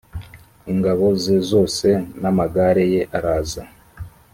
ingabo ze zose n amagare ye araza